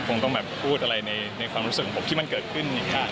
คงต้องแบบพูดอะไรในความรู้สึกของผมที่มันเกิดขึ้นอย่างนี้